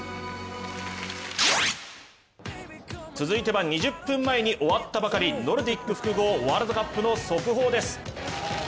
続いては２０分前に終わったばかり、ノルディック複合ワールドカップの速報です。